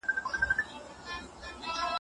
هغوی باید د مالدارۍ او کوچ مدیریت زده کړي.